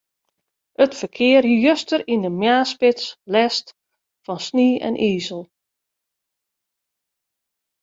It ferkear hie juster yn de moarnsspits lêst fan snie en izel.